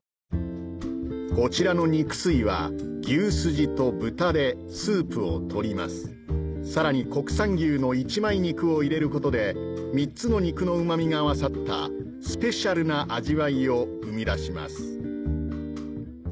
こちらの肉吸いは牛スジと豚でスープを取ります更に国産牛の一枚肉を入れることで３つの肉のうまみが合わさったスペシャルな味わいを生みだします